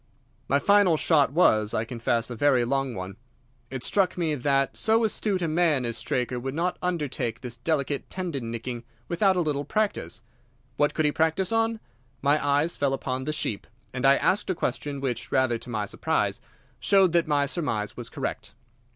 "My final shot was, I confess a very long one. It struck me that so astute a man as Straker would not undertake this delicate tendon nicking without a little practice. What could he practice on? My eyes fell upon the sheep, and I asked a question which, rather to my surprise, showed that my surmise was correct.